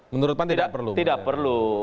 menurut pan tidak perlu tidak perlu